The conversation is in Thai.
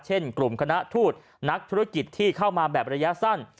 เช่นกลุ่มคณะทูตนักธุรกิจที่เข้ามาแบบระยะสั้น